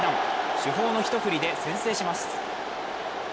主砲の一振りで先制します。